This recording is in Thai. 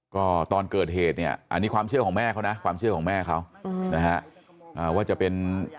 ก็ตอนเกิดเหตุเนี่ยอันนี้ความเชื่อของแม่เขานะความเชื่อของแม่เขานะฮะว่าจะเป็น